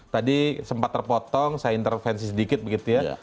tadi sempat terpotong saya intervensi sedikit begitu ya